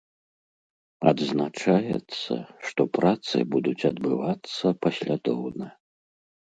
Адзначаецца, што працы будуць адбывацца паслядоўна.